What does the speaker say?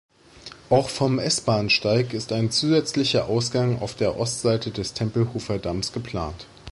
Auch vom S-Bahnsteig ist ein zusätzlicher Ausgang auf der Ostseite des Tempelhofer Damms geplant.